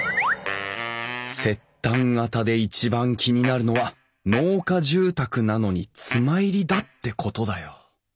摂丹型で一番気になるのは農家住宅なのに妻入りだってことだよ